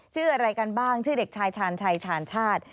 ชื่ออะไรกันบ้างชื่อเด็กชายชาญชัยชาญชาติ